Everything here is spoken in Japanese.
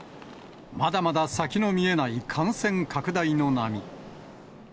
まだまだ先の見えない感染拡大の波。